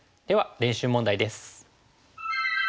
練習問題です。